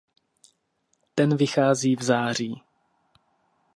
Ten vychází v září.